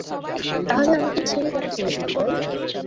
তাহলে আমাকে ছেড়ে কেন চলে গেলি বল?